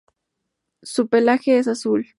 Su pelaje es azul.